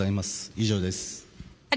以上です。